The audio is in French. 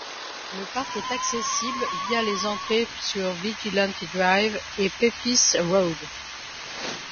Le parc est accessible via les entrées sur Vigilante Drive et Pepys Road.